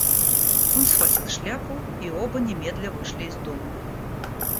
Он схватил шляпу, и оба немедля вышли из дому.